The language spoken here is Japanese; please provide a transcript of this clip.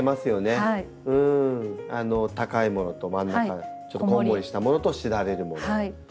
高いものと真ん中こんもりしたものとしだれるもの。